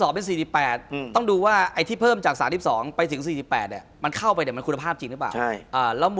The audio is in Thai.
สถานที่๑๒เป็น๔๘ต้องดูว่าไอ้ที่เพิ่มจากสถานที่๑๒ไปถึง๔๘มันเข้าไปเดี๋ยวมันคุณภาพจริงหรือเปล่า